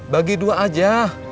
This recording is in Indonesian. bagi dua aja